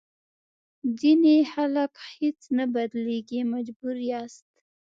ځینې خلک هېڅ نه بدلېږي مجبور یاست.